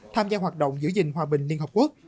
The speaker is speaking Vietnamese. tham gia hoạt động giữ gìn hòa bình liên hợp quốc